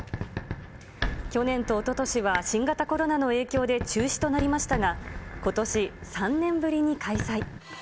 去年とおととしは新型コロナの影響で中止となりましたが、ことし、３年ぶりに開催。